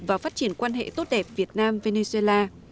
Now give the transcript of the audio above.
và phát triển quan hệ tốt đẹp việt nam venezuela